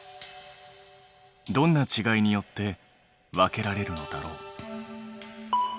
どんなちがいによって分けられるのだろう？